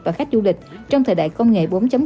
và khách du lịch trong thời đại công nghệ bốn